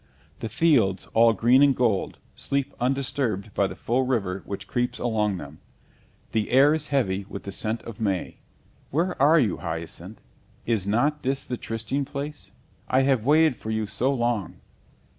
The fields, all green and gold, sleep undisturbed by the full river which creeps along them. The air is heavy with the scent of may. Where are you, Hyacinth? Is not this the trysting place? I have waited for you so long!